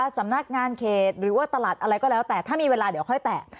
สำนักงานเขตหรือว่าตลาดอะไรก็แล้วแต่ถ้ามีเวลาเดี๋ยวค่อยแตะ